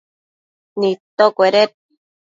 nidtocueded